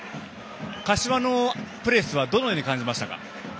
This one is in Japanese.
柏のプレスはどのように感じましたか？